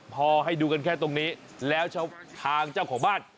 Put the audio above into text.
พอให้ดูกันแค่ตรงนี้แล้วทางเจ้าของบ้าน